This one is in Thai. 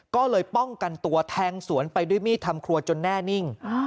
ก็เลยป้องกันตัวแทงสวนไปด้วยมีดทำครัวจนแน่นิ่ง